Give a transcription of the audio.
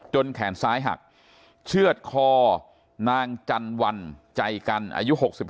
แขนซ้ายหักเชื่อดคอนางจันวัลใจกันอายุ๖๒